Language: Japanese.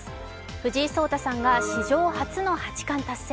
藤井聡太さんが史上初の八冠達成。